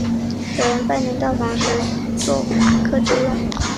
有人拜年到访时用作款客之用。